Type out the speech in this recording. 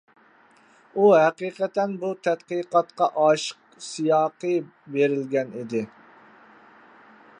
ئۇ ھەقىقەتەن بۇ تەتقىقاتقا ئاشىق سىياقى بېرىلگەن ئىدى.